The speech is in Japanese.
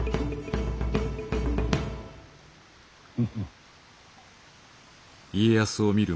フフッ。